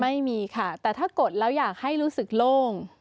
ไม่มีค่ะแต่ถ้ากดแล้วอยากให้รู้สึกโล่ง